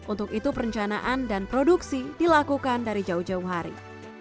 untuk itu perencanaan dan produksi dilakukan dari jauh jauh hari